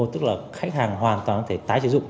tức là khách hàng hoàn toàn có thể tái sử dụng